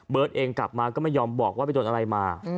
เองกลับมาก็ไม่ยอมบอกว่าไปโดนอะไรมา